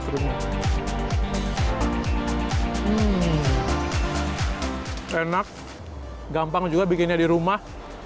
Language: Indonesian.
enak gampang juga bikinnya di rumah